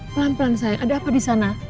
pelan pelan saya ada apa di sana